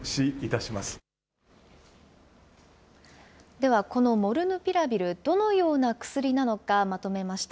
ではこのモルヌピラビル、どのような薬なのか、まとめました。